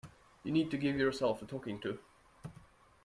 You need to give yourself a talking to.